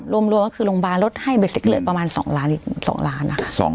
รวมก็คือโรงพยาบาลลดให้เบสเต็กเลือดประมาณ๒ล้าน